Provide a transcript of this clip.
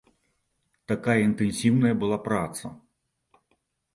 Такая інтэнсіўная была праца.